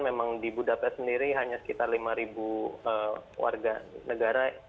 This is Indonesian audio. memang di budapest sendiri hanya sekitar lima warga negara